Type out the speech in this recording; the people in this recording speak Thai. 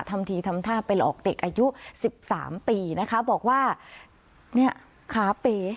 ทำทีทำท่าไปหลอกเด็กอายุสิบสามปีนะคะบอกว่าเนี่ยขาเป๋